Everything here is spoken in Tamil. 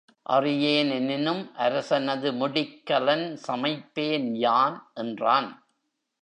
அறியேன் எனினும் அரசனது முடிக்கலன் சமைப்பேன் யான் என்றான்.